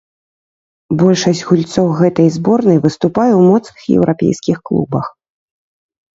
Большасць гульцоў гэтай зборнай выступае ў моцных еўрапейскіх клубах.